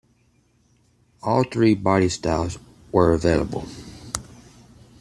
All three body styles were available.